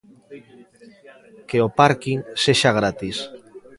Que o párking sexa gratis.